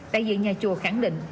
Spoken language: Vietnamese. đại diện nhà chùa khẳng định